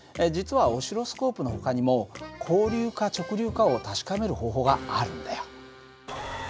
実はオシロスコープのほかにも交流か直流かを確かめる方法があるんだよ。